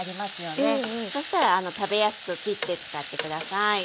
そしたら食べやすく切って使って下さい。